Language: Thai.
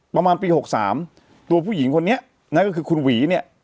ประมาณปี๖๓ตัวผู้หญิงคนนี้นั่นก็คือคุณหวีเนี่ย